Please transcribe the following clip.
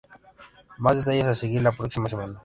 Más detalles a seguir la próxima semana".